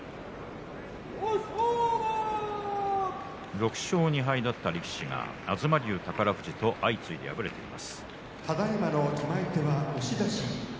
６勝２敗だった力士東龍、宝富士と相次いで敗れています。